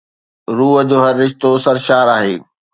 روح جو هر رشتو سرشار آهي